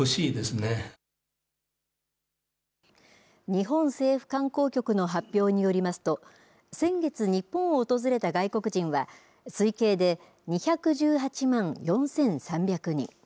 日本政府観光局の発表によりますと、先月、日本を訪れた外国人は、推計で２１８万４３００人。